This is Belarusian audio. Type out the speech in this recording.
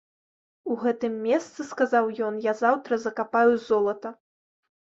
У гэтым месцы, сказаў ён, я заўтра закапаю золата.